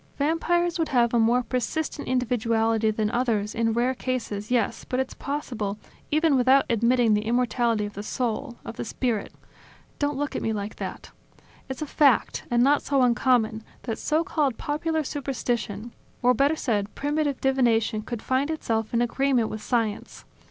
Vampires would have a more persistent individuality than others, in rare cases, yes, but it's possible even without admitting the immortality of the soul, of the spirit ... Don't look at me like that ... It's a fact, and not so uncommon, that so called popular superstition or, better said primitive divination could find itself in agreement with science.